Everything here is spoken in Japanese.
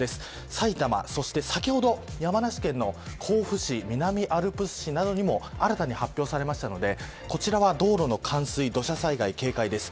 埼玉そして先ほど山梨県の甲府市南アルプス市などにも新たに発表されましたのでこちらは道路の冠水土砂災害、警戒です。